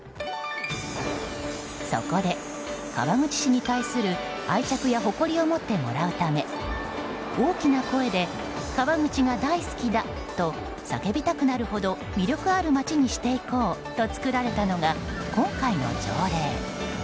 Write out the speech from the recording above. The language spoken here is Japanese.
そこで、川口市に対する愛着や誇りを持ってもらうため大きな声で、川口が大好きだと叫びたくなるほど魅力ある街にしていこうと作られたのが今回の条例。